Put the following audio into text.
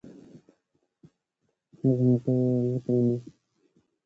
چے اس تُس بولاں اڙہۡ نہ مِنی والاں تھہ گی بے والِگ تھہ؟